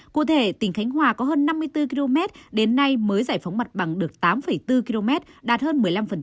cụ thể tỉnh khánh hòa có hơn năm mươi bốn km đến nay mới giải phóng mặt bằng được tám bốn km đạt hơn một mươi năm